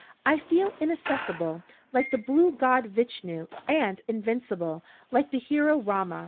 I feel inaccessible, like the blue God Vichnu, and invincible, like the hero Rama!